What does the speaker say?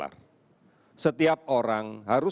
yang ini adalah kom fier